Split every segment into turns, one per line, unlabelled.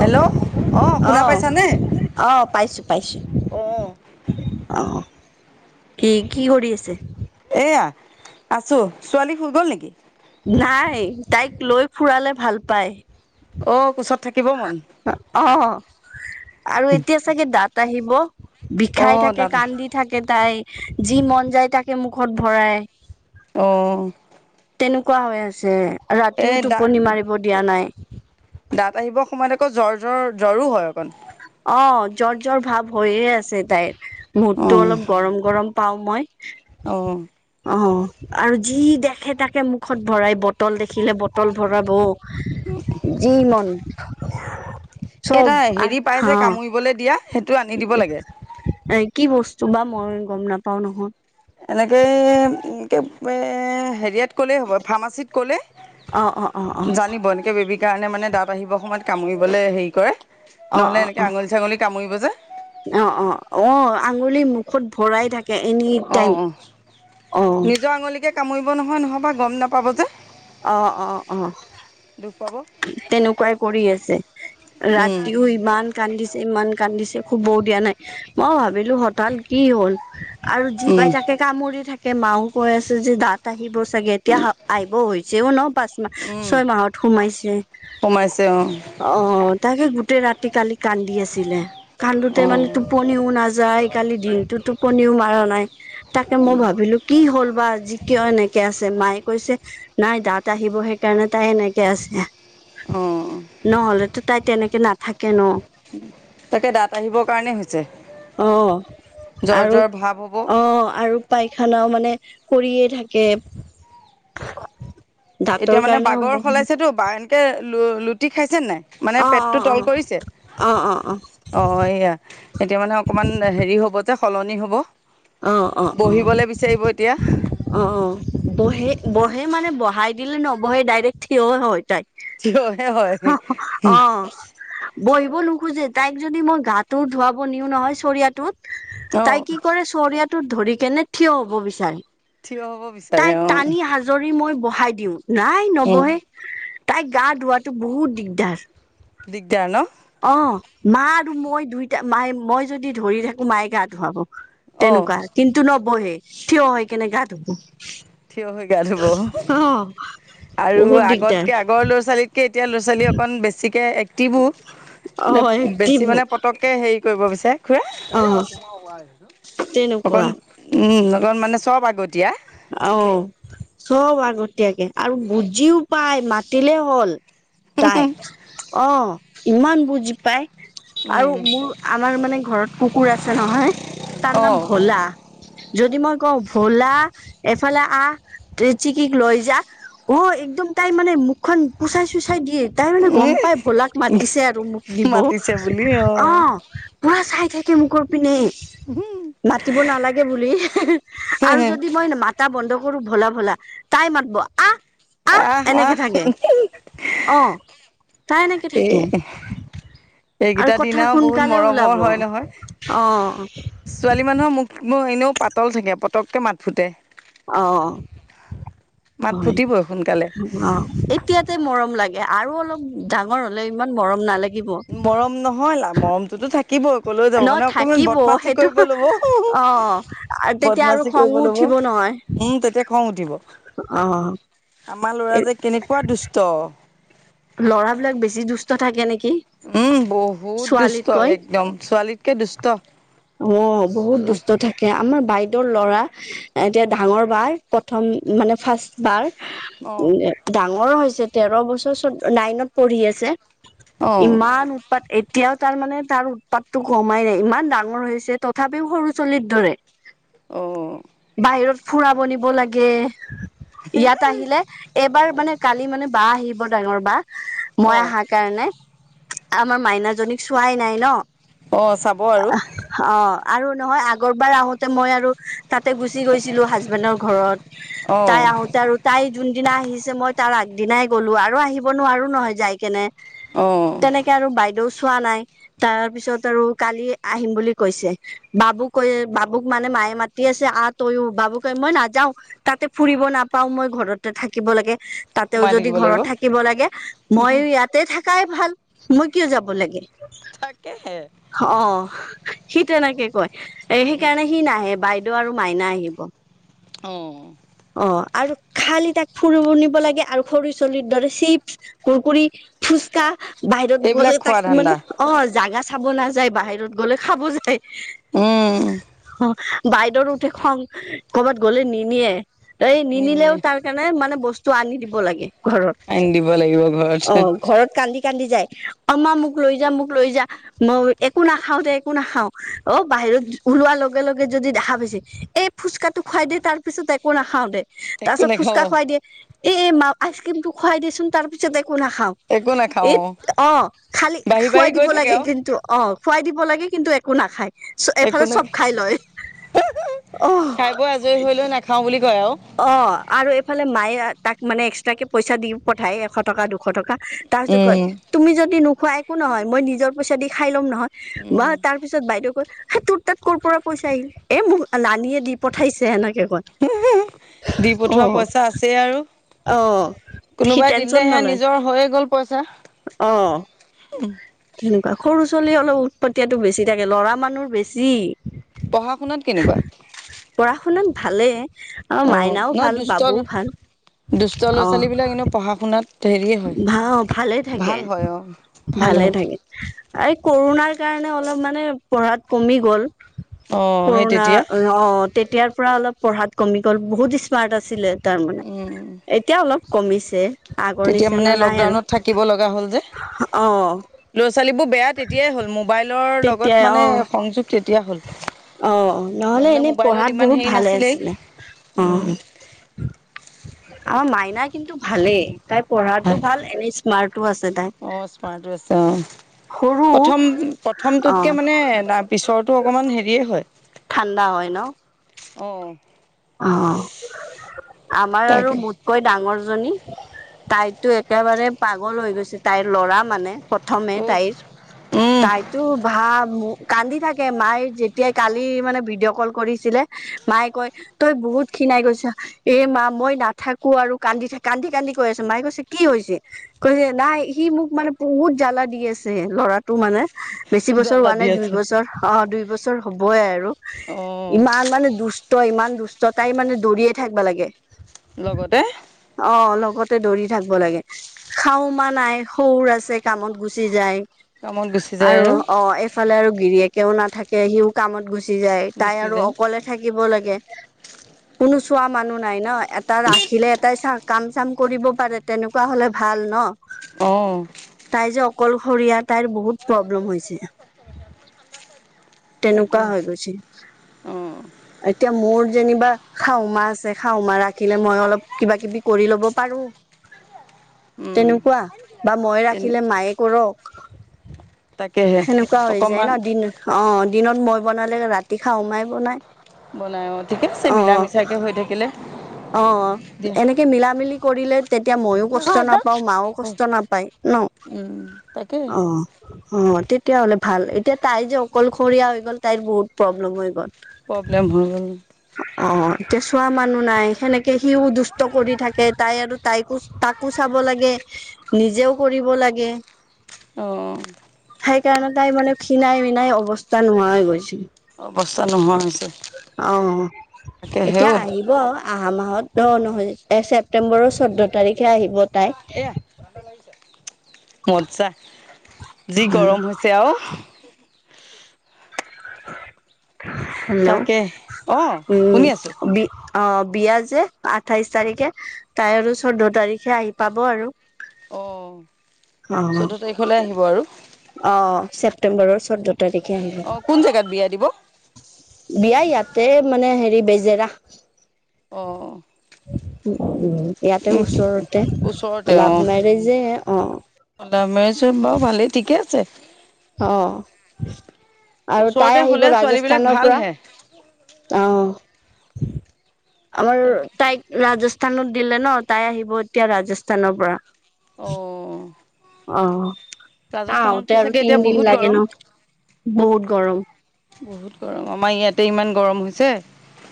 Hello অ শুনা পাইছানে?
অ পাইছোঁ পাইছোঁ। অ কি কি কৰি আছে।
এয়া আছো ছোৱালী শুই গ'ল নেকি?
নাই তাইক লৈ ফুৰালে ভাল পায়।
অ কোচত থাকিব মন।
অ আৰু এতিয়া চাগে দাঁত আহিব
অ
বিষাই থাকে
দাঁত
কান্দি থাকে তাই যি মন যায় তাকে মুখত ভৰাই।
অঁ
তেনেকুৱা হৈ আছে
এই
ৰাতিও
দা
টোপনি মাৰিব দিয়া নাই।
দাঁত, আহিবৰ সময়ত আকৌ জ্বৰ জ্বৰ জ্বৰো হয় অকণ
অ জ্বৰ জৰ ভাৱ হৈয়ে আছে তাইৰ
অ
মূৰতো অলপ গৰম গৰম পাওঁ মই।
অঁ
অ আৰু যি দেখে তাকে মুখত ভৰাই বটল, দেখিলে বটল ভৰাব। যি মন
এ
চব
এটা হেৰি পাই
হা
যে কামুৰিবলৈ দিয়া সেইটো আনি দিব লাগে।
এ কি বস্তু বা মই গম নাপাও নহয়।
এনেকৈ এ হেৰিয়াত কলে হ'ব ফাৰ্মাচত, ক'লে
অ অ অ
জানিব এনেকে বেবি সেইকাৰণে মানে দাঁত আহিবৰ সময়ত কামুৰিবলৈ হেৰি কৰে
অ অ অ
নহ'লে এনেকৈ আঙুলি -ছাঙলী কামুৰিব যে।
অ অ অ আঙুলি মুখত ভৰাই থাকে। এনি
অ
টাইম
অ
অ
নিজৰ আঙুলিকে কামুৰিব নহয় নহ'বা গম নাপাব যে।
অ অ অ
দুখ পাব
তেনেকুৱাই কৰি আছে
উম
ৰাতি শ ইমান কান্দিছে ইমান কান্দিছে শুবও দিয়া নাই মই ভাবিলো হঠাৎ কি হ'ল। আৰু যি পাই
উম
তাকে কামুৰি থাকে মাও কৈ আছে যে দাঁত আহিব। চাগে এতিয়া আহিব হৈছেও ন পাঁচ মাহ
উম
ছয় মাহত সোমাইছে।
সোমাইছে অঁ
অ তাকে গোটেই ৰাতি কালি কান্দি আছিলে কান্দোতে
অঁ
মানে। টোপনিও নাযায় কালি দিনটোতো টোপনিও মাৰা নাই তাকে মই ভাবিলোঁ। কি হ'ল বা যি কিয় এনেকে আছে মায়ে কৈছে। নাই দাঁত আহিব সেইকাৰণে তাই এনেকে আছে।
অ
নহ'লেতো তাই তেনেকে নাথাকে ন।
তাকে দাঁত আহিবৰ কাৰণে হৈছে
অ
জ্বৰ জ্বৰ ভাৱ হব।
অঁ আৰু পাইখানাও মানে কৰিয়ে থাকে। দাঁতৰ
এতিয়া মানে
কাৰণে হ'ব
বাগৰ সলাইছেতো বা এনকে লু লুটি খাইছেনে নাই। মানে
অ
পেটটো তল
অ
কৰিছে। অ অ অ, এইয়া এতিয়া মানে অকমান হেৰি হব যে সলনি হব। বহিবলে বিচাৰিব এতিয়া হা।
অঁ অ অ, বহে বহে মানে বহাই দিলে নবহে ডাইৰেক্ট থিয় হয় তাই। চিও চু,
থিয়হে হয়
হ হ, অ অ অ। এ এ আহ, বহিব নোখোজে তাইক যদি মই গাটো ধুৱাব নিও নহয় চৰিয়াটোত এ এ এ এ,
অঁ
তাই কি কৰে চৰিয়াটোত ধৰি কেনে থিয় হব বিচাৰে।
থিয় হ'ব বি
তাইক টানি হাজৰি মই বহাই দিওঁ নাই
অঁ
নবহে। হে হে হে, তাইক গা ধুৱাটো বহুত দিগদাৰ।
দিগদাৰ ন।
অ অ অ, মা আৰু মই দুইটা মায়ে মই যদি ধৰি থাকো মায়ে গা ধুৱাব। কুহু
অঁ
তেনেকুৱা কিন্তু নবহে সি ই ই থিয় হৈ কেনে গা ধুব সি ই ই।
থিয় হৈ গা ধুব আৰু
বহুত দিগদাৰ
আগতকে আগৰ ল'ৰা-ছোৱালী কে এতিয়া ল'ৰা-ছোৱালী অকন বেছিকে এক্টিভো নাইব
অ', এক্টিভ
বেছি মানে পতক তাকে হেৰি কৰিব বিচাৰে। খুৰা সেইয়া
অ',
অকন
তেনেকুৱা
উম উ উ লগত মানে চব আগতীয়া।
আহ, চব আগতীয়াকে আৰু বুজিও পাই মাতিলে হ'ল। তাই ছু ঠু, অ অ অ, ইমান বুজি পায়। আৰু
উম
মোৰ আমাৰ মানে ঘৰত কুকুৰ আছে নহয় তাৰ
অ
নাম ভোলা। যদি মই কওঁ ভোলা এফালে আহ তে চিকিক লৈ যা। অ একদম তাই মানে মুখখন পুচাই-চুচাই দিয়ে। তাই মানে গম পাই ভোলাক মাতিছে আৰু মোক দিব অ
মাতিছে বুলি
অ অ। পুৰা চাই থাকে মুখৰ পিনে।
হুম।
মাতিব নালাগে বুলি ই হে হি ই আহ আৰু যদি মই নেমা তা বন্ধ কৰো ভোলা ভোলা ই ই ই তাই মাতব আহ। আহ এনেকে থাকে অঁ অ অ। তাই এনেকে
এই
থাকে আৰু
এইকেইটা দিন
কথা
বহুত
সোনকালে ওলাব
মৰমৰ
অঁ অ
হয় নহয়
অ অ অ অ
ছোৱালী মানুহৰ মুখ বোৰ এনেও পাতল থাকে পতককে মাত ফুটে
অ অ অ অ,
মাত
হয়,
ফুটিবই সোনকালে
উম উম অ অ এতিয়া যে মৰম লাগে আৰু অলপ ডাঙৰ হলে ইমান মৰম নালা
মৰম নহয় লা মৰমটোতো থাক কিব আৰু কলৈযাব
ন
মানে অকমান
থাকিব
বদমাচি
সেইটো
কৰিব লব উহু উমহু
অ
সে এ এ
আৰু
এ
তেতিয়া আৰু
বদমাচি কৰিব
খঙো
ল'ব
উঠিব নহয়।
উম তেতিয়া খং উঠিব।
অহ অহ
আমাৰ ল'ৰা যে কেনেকুৱা দুষ্ট অ অ।
লৰাবিলাক বেছি দুষ্ট থাকে নেকি?
উম বহুত দুষ্ট
ছোৱালীতকৈ
একদম ছোৱালীতকে দুষ্ট।
অঁ অ অ, বহুত দুষ্ট থাকে। সেয়া আমাৰ সি ই ই ই বাইদেউৰ ল'ৰা এতিয়া ডাঙৰ বাৰ প্ৰথম মানে ফাৰ্ষ্ট বাৰ
অ
সেইয়া উম দে ডাঙৰ হৈছে তেৰ বছৰ চৈদ নাইনত পঢ়ি আছে। টুং টা
অ
ইমান উৎপাত এতিয়াও তাৰ মানে তাৰ উৎপাতটো কমাই নাই ইমান ডাঙ ঙৰ হৈছে তথাপিও মোৰ চুলিত ধৰে
অ
বাহিৰত ফুৰাব নিব লাগে ইয়াত আহিলে। এইবাৰ মানে কালি মানে বা আহিব ডাঙৰ বা
অ
মই আহাৰ কাৰণে। আমাৰ মাইনাাজনীক চোৱাই নাই ন।
অ চাব আৰু
অ আৰু নহয় আগৰপৰাই আহোতে মই আৰু তাতে গুচি গৈছিলো হাজবেণ্ডৰ ঘৰত।
অ
তাই আহোতে আৰু তাই যোনদিনা আহিছে মই তাৰ আগদিনাই গ'লো আৰু আহিব নোৱাৰো নহয় যাই কেনে
অহ
তেনেকে আৰু বাইদেউ চোৱা নাই তাৰ পিছত আৰু কালি আহিম বুলি কৈছে। বাবু কৈ বাবুক মানে মায়ে মাতি আছে আ তইয়ো বাবু কয় মই নাযাওঁ। তাতে ফুৰিব নাপাওঁ মই ঘৰতে থাকিব লাগে। তাতেও
সোমাই
যদি
থাকিব লাগিব
ঘৰত থাকিব লাগে মইয়ো ইয়াত তে থাকাই ভাল মই কিয় যাব লাগে?
তাকেহে
অ সি তেনেকে কয়। সেইকাৰণে সি নাহে বাই দেউ আৰু মাইনা আহিব।
অঁ
অ আৰু খালি তাক ফুৰিব নিব লাগে আৰু খৰি চলিৰ দৰে চিপছ কুৰকুৰি ফুচকা বাহিৰত
এইবিলাক
গ'লে
খোৱা
তাক
ধান্দা
মানে অ জাগা চাব নাযায় বাহিৰত গ'লে খাব যায়।
উম
বাইদেউৰো উঠে খং কৰ'বাত গ'লে নিনিয়ে এই নিনিলেও
নিনিয়ে
তাৰ মানে বস্তু আনি দিব লাগে। ঘৰত
আনি দিব লাগিব ঘৰত
অ ঘৰত কান্দি কান্দি যায় অ মা মোক লৈ যা মোক লৈ যা মই একো না খাওঁতে একো নাখাওঁ অ বাহিৰত ওলোৱাৰ লগে লগে যদি দেখা পাইছে এই ফুচকাটো খুৱাই দে তাৰ পিছত একো নাখাওঁ দে তাৰ
একো
পাছত ফুচকা
নেখাব
খুৱাই দিয়ে এ মা আইচ ক্ৰীম টো খুৱাই দিয়েচোন তাৰ পিছতে একো নাখাওঁ।
একো নাখাও
অ খালী
বাঢ়ি
খুৱাই
বাঢ়ি
দিব
গৈ থাকে
লাগে।
আৰু
কিন্তু অ খোৱাই দিব লাগে কিন্তু একো নাখায়
একো
এফালে
না
চব খাই লয়। অ
যি দিলেও নাখাওঁ বুলি কয় আৰু।
অ আৰু এইফালে মায়ে তাক মানে এক্সট্ৰাকে পইচা দি পঠায় এশ টকা দুশ টকা তাৰ পিছত কয়
উম,
তুমি যদি নোখোৱা একো নহয় মই নিজৰ পইচা দি খাই লম নহয়। বা
উম।
তাৰ তাৰ পিছত বাইদেউ কয় তোৰ তাত ক'ৰ পৰা পইচা আহিল। এ মোক নানিয়ে দি পঠাইছে এনেকে কয়।
দি পঠোৱা
অ',
পইচা আছেই আৰু
অ', সি
কোনোবাই
টেনচন
দিলেহে
নলয়
নিজৰ হৈয়ে গ'ল পইচা
অ',
উ
তেনেকুৱা সৰু ছোৱালী অলপ উৎপতিয়াটো বেছি থাকে। ল'ৰা মানুহ বেছি
পঢ়া শুনাত কেনেকুৱা?
পঢ়া শুনাত ভালেই আৰু
অ',
মাইনাও
নহয়
ভাল
দুষ্ট
বাবুও ভাল।
দুষ্ট ল'ৰা ছোৱালী বিলাক এনেও পঢ়া শুনাত হেৰিয়ে হয়
অঁ ভালে থাকে
ভাল হয় অ', ভাল
ভালে
হয়।
থাকে। এই কৰোণাৰ কাৰণে অলপ মানে পঢ়াত কমি গ'ল।
অ', সেই
কৰোনা
তেতিয়া
অ তেতিয়াৰ পৰা অলপ পঢ়াত কমি গ'ল বহুত স্মাৰ্ট আছিলে তাৰমানানে।
উম,
এতিয়া অলপ কমিছে। আগৰ
তেতিয়া মানে
নিচিনা নাই আৰু
লকডাউনত থাকিব লগা হ'ল যে,
অ'
ল'ৰা-ছোৱালীবোৰ বেয়া তেতিয়াই হ'ল, মোবাইলৰ
তেতিয়াই
লগত মানে
অ'
সংযোগ তেতিয়া হ'ল।
অ নহলে এনেই
মোবাইলত
পঢ়াত
ইমান
বহুত
হেৰি
ভালে
নাছিলেই
আছিলে অ।
উম
আমাৰ মাইনা কিন্তু, ভালে। তাই পঢ়াতটো ভাল এনেই স্মাৰ্টো আছে তাই।
পৰা আছে অ।
সৰু
প্ৰথম প্ৰথমটোতকে
অ'
মানে, পিছৰটো অকণমান হেৰিয়ে হয়।
ঠাণ্ডা হয় ন।
অ,
অ আমাৰ আৰু, কৈ ডাঙৰ জনী তাইতো একেবাৰে পাগল হৈ গৈছে। তাইৰ ল'ৰা মানে প্ৰথমে
উহ
তাইৰ,
উম
তাইতো ভাল কান্দি থাকে, মায়ে যেতিয়াই কালি মানে ভিডিঅ' কল কৰিছিলে। মায়ে কয়। তই বহুত খিনাই গৈছা। এ মা মই নাথাকো আৰু কান্দি থাক কান্দি কান্দি কৈ আছো মায়ে কৈছে। কি হৈছে কৈছে। নাই সি মোক মানে বহুত জ্বালা দি আছে ল'ৰাটো মানে। বেছি বছৰ
জ্বালা
হোৱা
দি
নাই, দুই
আছে
বছৰ অ দুই বছৰ হবই আৰু
অ
ইমান মানে দুষ্ট তই ইমান দুষ্ট তাই মানে দৌৰিয়ে থাকিব লাগে।
লগতে,
অ লগতে দৌৰি থাকিব লাগে। খাও মা নাই সুৰ আছে, কামত গুচি যায়।
কামত গুচি যায়
আৰু অ এইফালে আৰু গিৰিয়েকেও নাথাকে সিও কামত গুচি গুচি যায় তাই
গুচি
আৰু
যায়
অকলে থাকিব লাগে, কোনো চোৱা মানুহ নাই ন, এটটা ৰাখিলে এটাই চা কাম চাম কৰিব পাৰে। তেনেকুৱা হলে ভাল ন।
অঁ।
তাই যে অকলশৰীয়া তাইৰ বহুত প্ৰব্লেম হৈছে। তেনেকুৱা
তাকে
হৈ গৈছে।
অ
এতিয়া মোৰ যেনিবা খাওমা আছে খাওমা ৰাখিলে, মই অলপ কিবা কিবি কৰি লব পাৰো। হয় [unintelligible]
উম।
বা মই
তেনে
ৰাখিলে মায়ে কৰক।
তাকেহে
সেনেকুৱা হৈ যায়
অকমান
ন, দিন অ দিনত মই বনালে ৰাতি খা মাই বনাই।
বনাই অ ঠিকেছে
অ
মিলা মিছাকে হৈ থাকিলে।
অ
দিয়া
এনেকে মিলা মিলি কৰিলে, তেতিয়া মইয়ো কষ্ট নাপাওঁ মাও কষ্ট নাপায় ন,
উম তাকে
অ অ তেতিয়াাহলে ভাল এতিয়া তাই যে অকলশৰীয়া হৈ গ'ল তাইৰ বহুত প্ৰব্লেম হৈ গ'ল।
প্ৰব্লেম হৈ গল।
অ এতিয়া চোৱা মানুহ নাই। সেনেকে সিও দুষ্ট কৰি থাকে, তাই আৰু তাইকো তাকো চাব লাগে। নিজেও কৰিব লাগে।
অঁ।
সেই কাৰণে, তাই মানে খিণাই মিনাই অৱস্থা নোহোৱা হৈ গৈছে।
অৱস্থা নোহোৱা হৈছে
অ
তাকেহে
এতিয়া
অ
আহিব। অহা মাহত অ নহয়, ছেপ্টেম্বৰৰ চৈধ্য তাৰিখে আহিব তাই।
এয়া মজ্জা যি গৰম হৈছে আৰু।
হেল্ল'
তাকে অ শুনি আছো
উম বি- অ বিয়া যে আঠাইশ তাৰিখে, তাই আৰু চৈধ্য তাৰিখে আহি পাব আৰু।
অ
অ অ
চৈধ্য তাৰিখলৈ আহিব আৰু
অ ছেপ্তেম্বৰৰ চৈধ্য তাৰিখে আহি
অ
পাব।
কোন জেগাত বিয়া দিব?
বিয়া ইয়াতে মানে হেৰি বেজেৰা।
অ অ
ইয়াতে ওচৰতে
ওচৰতে
লাভ মেৰেজে অ।
ওলাভ মেৰেজে বাৰু ভালেই ঠিকে আছে।
অ আৰু তাই
ওচৰতে
আহিব
হলে ছোৱালী বিলাক
ৰাজস্থানৰ পৰা।
ভালহে
অ আমাৰ
তাকে
তাই- ৰাজস্থানত দিলে ন তাই আহিব এতিয়া ৰাজস্থানৰ পৰা।
অঁ
অ তাৰ আহোতে আৰু
চাগে এতিয়া
তিনদিন
বহুত
লাগে
গৰম
ন, বহুত গৰম।
বহুত গৰম, আমাৰ ইয়াতে ইমান গৰম হৈছে।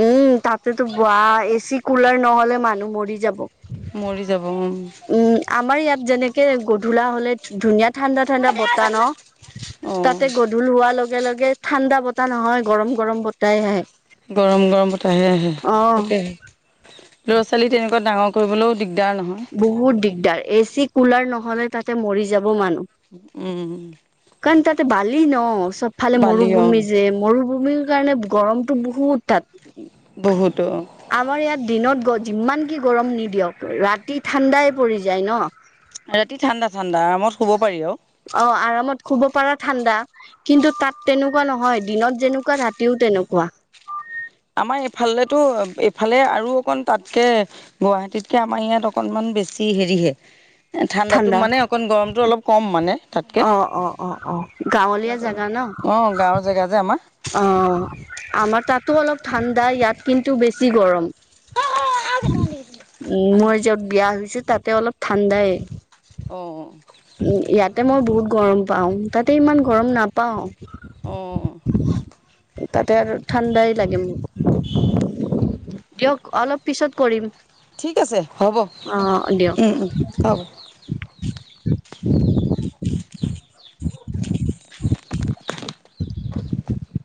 উম তাতেতো বোৱা এ চি কুলাৰ নহলে মানুহ মৰি যাব।
মৰি যাব উম।
উম আমাৰ ইয়াত যেনেকে গধূলা হলে- ধুনীয়া ঠাণ্ডা ঠাণ্ডা বতাহ ন
অ
তাতে গ- ধুৰ হোৱাৰ লগে লগে ঠাণ্ডা বতাহ নহয় গৰম গৰম বতাহে আহে।
গৰম গৰম বতাহে আহে
অ
তাকে। ল'ৰা ছোৱালী তেনেকোৱা ডাঙৰ কৰিবলৈও দিগদাৰ নহয়।
বহুত দিগদাৰ এ চি, কুলাৰ নহলে তাতে মৰি যাব মানুহ।
উম
কাৰণ তাতে বালি ন চবফালে
বালি অ
মৰুভূমি যে মৰুভূমিৰ কাৰণে- গৰমটো বহুত তাত।
বহুত অ।
আমাৰ ইয়াত দিনত গ যিমান কি গৰম নিদিয়ক ৰাতি ঠাণ্ডাই পৰি যায় ন।
ৰাতি ঠাণ্ডা ঠাণ্ডা আৰামত শুব পাৰি আৰু।
অ আৰামত শুব পাৰা ঠাণ্ডা। কিন্তু তাত তেনেকুৱা নহয় দিনত যেনেকুৱা ৰাতিও তেনেকুৱা।
আমাৰ এইফালতো এইফালে আৰু অকন তাতকে- গুৱাহাটীতকে আমাৰ ইয়াত অকনমান বেছি হেৰিহে, ঠাণ্ডাটো
ঠাণ্ডা
মানে অকণ গৰমটো অলপ কম মানে। তাতকে
অ অ অ অ গাঁওলীয়া জাগা ন?
অ গাঁও জাগা যে আমাৰ।
অ আমাৰ তাতো অলপ ঠাণ্ডা ইয়াত কিন্তু বেছি গৰম। উম মই যত বিয়া হৈছো তাতে অলপ ঠাণ্ডাই।
অ'
উম ইয়াতে মই বহুত গৰম পাও তাতে ইমান গৰম নাপাও।
অ'
তাতে আৰু ঠাণ্ডাই লাগে মোক। দিয়ক অলপ পিছত কৰিম।
ঠিক আছে হ'ব
অ দিয়ক
উম উম হ'ব।
[inaudible] [inaudible]